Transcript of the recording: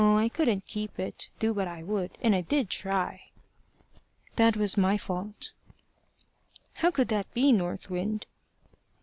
I couldn't keep it, do what I would, and I did try." "That was my fault." "How could that be, North Wind?"